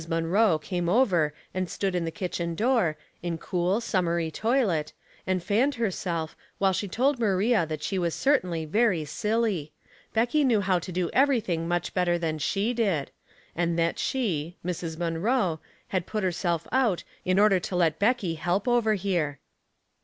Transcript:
Munroe came over and stood in 216 Household Puzzles, the kitchen door, in cool, summery toilet, and fanned herself, while she told Maria that she was certainly very silly ; Becky knew how to do everything much better than she did ; and that she (Mrs. Munroe) had put herself out, in order to let Becky help over here.